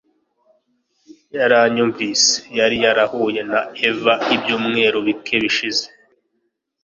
yaranyumvise. yari yarahuye na eva ibyumweru bike bishize